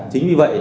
chính vì vậy